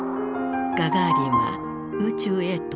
ガガーリンは宇宙へ到達。